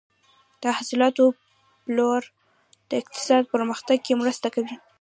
د حاصلاتو پلور د اقتصاد پرمختګ کې مرسته کوي.